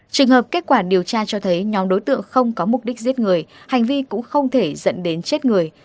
trường hợp kết quả điều tra cho thấy nhóm đối tượng không có mục đích giết người hành vi cũng không thể dẫn đến chết người